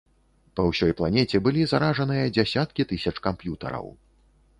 Па ўсёй планеце былі заражаныя дзясяткі тысяч камп'ютараў.